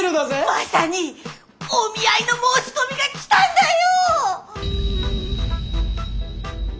マサにお見合いの申し込みが来たんだよ！